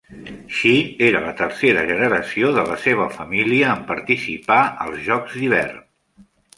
Shea era la tercera generació de la seva família en participar als jocs d'hivern.